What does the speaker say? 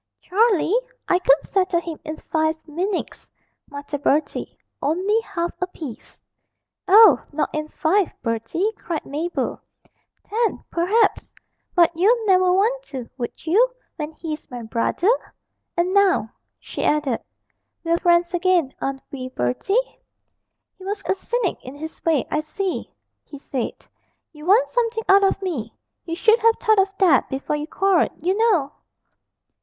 'Charlie! I could settle him in five minutes,' muttered Bertie, only half appeased. 'Oh, not in five, Bertie,' cried Mabel, 'ten, perhaps; but you'd never want to, would you, when he's my brother? And now,' she added, 'we're friends again, aren't we, Bertie?' He was a cynic in his way 'I see,' he said, 'you want something out of me; you should have thought of that before you quarrelled, you know!'